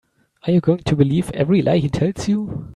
Are you going to believe every lie he tells you?